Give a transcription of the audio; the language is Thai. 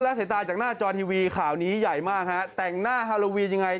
และสายตาจากหน้าจอทีวีข่าวนี้ใหญ่มากฮะแต่งหน้าฮาโลวีนยังไง